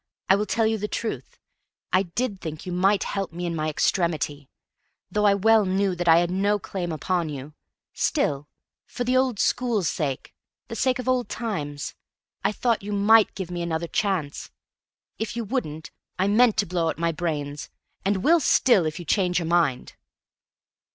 I will tell you the truth. I DID think you might help me in my extremity, though I well knew that I had no claim upon you. Still for the old school's sake the sake of old times I thought you might give me another chance. If you wouldn't I meant to blow out my brains and will still if you change your mind!"